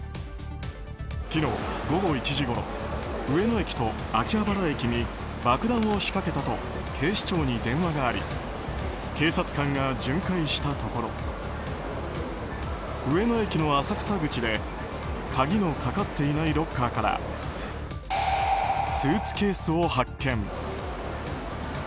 昨日午後１時ごろ上野駅と秋葉原駅に爆弾を仕掛けたと警視庁に電話があり警察官が巡回したところ上野駅の浅草口で鍵のかかっていないロッカーからスーツケースを発見。